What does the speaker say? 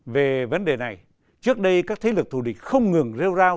về vấn đề này trước đây các thế lực thù địch không ngừng rêu rao